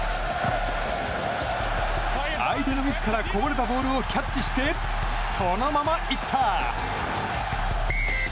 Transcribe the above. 相手のミスからこぼれたボールをキャッチして、そのまま行った！